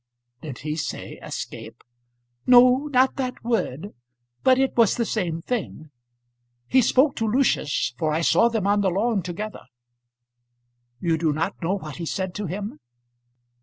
"Did he say escape?" "No; not that word, but it was the same thing. He spoke to Lucius, for I saw them on the lawn together." "You do not know what he said to him?"